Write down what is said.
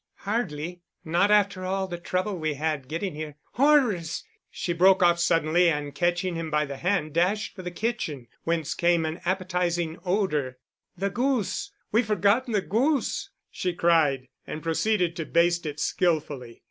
"Hardly—not after all the trouble we had getting here—Horrors!" she broke off suddenly and catching him by the hand dashed for the kitchen whence came an appetizing odor—"The goose! we've forgotten the goose," she cried, and proceeded to baste it skillfully.